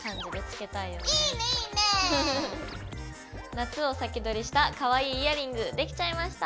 夏を先取りしたかわいいイヤリングできちゃいました！